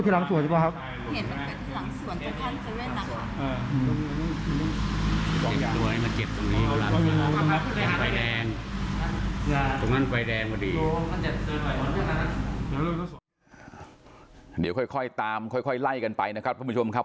เดี๋ยวค่อยตามค่อยไล่กันไปนะครับท่านผู้ชมครับ